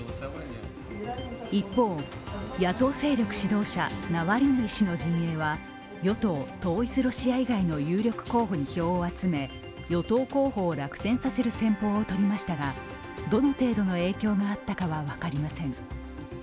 一方、野党勢力指導者・ナワリヌイ氏の陣営は与党・統一ロシア以外の有力候補以外に票を集め、与党候補を落選させる戦法とりましたが、どの程度の影響があったかは分かりません。